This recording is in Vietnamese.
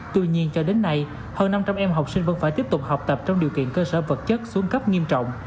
tuy nhiên cho đến nay hơn năm trăm linh em học sinh vẫn phải tiếp tục học tập trong điều kiện cơ sở vật chất xuống cấp nghiêm trọng